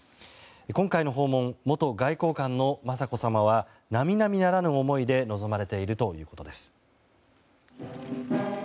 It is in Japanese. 今回の訪問元外交官の雅子さまは並々ならぬ思いで臨まれているということです。